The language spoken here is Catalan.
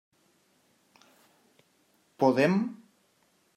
Podem?